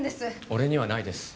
俺にはないです